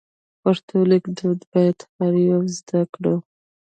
پښتو لیک دود باید هر یو زده کړو.